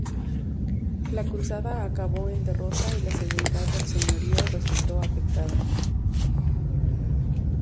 La cruzada acabó en derrota y la seguridad del señorío resultó afectada.